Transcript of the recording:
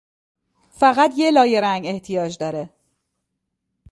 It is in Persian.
فقط یک لایه رنگ احتیاج دارد.